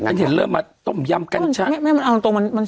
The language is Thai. มันเห็นเริ่มมาต้มยำกัญชาไม่ไม่มันเอาตรงมันมัน